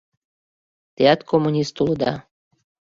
Теат коммунист улыда.